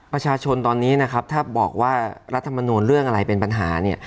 ประชาชนตอนนี้นะครับถ้าบอกว่ารัฐมนูลเรื่องอะไรเป็นปัญหาเนี่ย